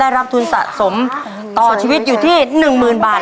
ได้รับทุนสะสมต่อชีวิตอยู่ที่๑หมื่นบาท